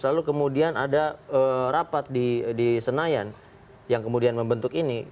lalu kemudian ada rapat di senayan yang kemudian membentuk ini